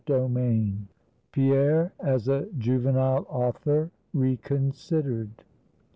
BOOK XVIII. PIERRE, AS A JUVENILE AUTHOR, RECONSIDERED.